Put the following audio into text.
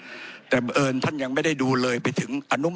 ผมจะขออนุญาตให้ท่านอาจารย์วิทยุซึ่งรู้เรื่องกฎหมายดีเป็นผู้ชี้แจงนะครับ